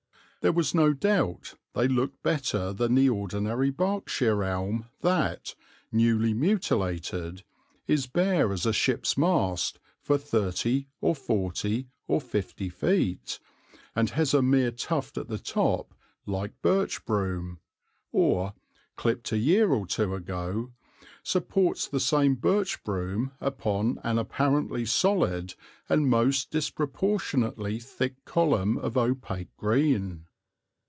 There was no doubt they looked better than the ordinary Berkshire elm that, newly mutilated, is bare as a ship's mast for thirty or forty or fifty feet, and has a mere tuft at the top like birch broom, or, clipped a year or two ago, supports the same birch broom upon an apparently solid and most disproportionately thick column of opaque green.